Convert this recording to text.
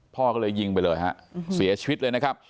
พ่อก็เลยยิงไปเลยฮะเสียชีวิตเลยนะครับ